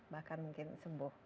bahkan mungkin sembuh